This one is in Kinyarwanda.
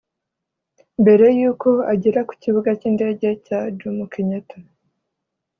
Mbere y’uko agera ku kibuga cy’indege cya Jomo Kenyatta